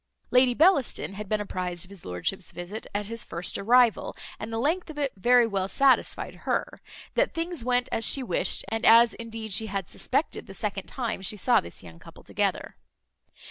Lady Bellaston had been apprized of his lordship's visit at his first arrival; and the length of it very well satisfied her, that things went as she wished, and as indeed she had suspected the second time she saw this young couple together.